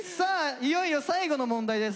いよいよ最後の問題です。